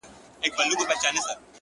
او په تصوير كي مي،